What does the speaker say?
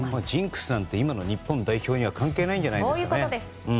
ジンクスなんて今の日本代表には関係ないんじゃないでしょうか。